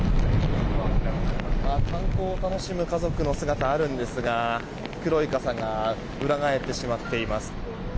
観光を楽しむ家族の姿があるんですが黒い傘が裏返ってしまっています。